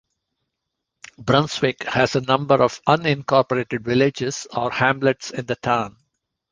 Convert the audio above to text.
Brunswick has a number of unincorporated villages or hamlets in the town.